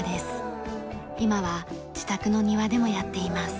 今は自宅の庭でもやっています。